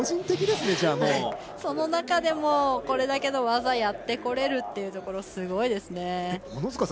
それだけでもこれだけの技をやってこれるというところすごいですね。